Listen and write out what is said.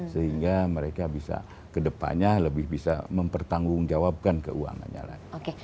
sehingga mereka bisa kedepannya lebih bisa mempertanggungjawabkan keuangannya lagi